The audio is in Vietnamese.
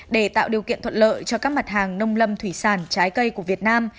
để tạo điều kiện thuận lợi cho các mặt hàng nông lâm thủy sản trái cây của việt nam